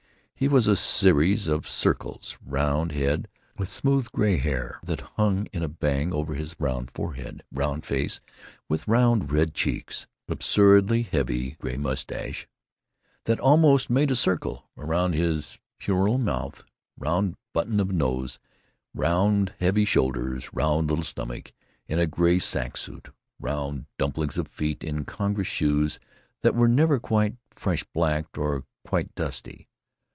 He was a series of circles—round head with smooth gray hair that hung in a bang over his round forehead; round face with round red cheeks; absurdly heavy gray mustache that almost made a circle about his puerile mouth; round button of a nose; round heavy shoulders; round little stomach in a gray sack suit; round dumplings of feet in congress shoes that were never quite fresh blacked or quite dusty.